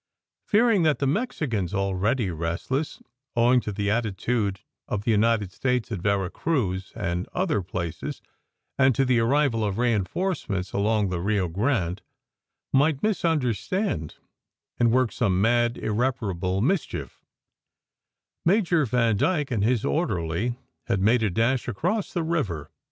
Fear ing that the Mexicans already restless, owing to the atti tude of the United States at Vera Cruz and other places, and to the arrival of reinforcements along the Rio Grande might misunderstand, and work some mad, irreparable mischief, Major Vandyke and his orderly had made a dash across the river.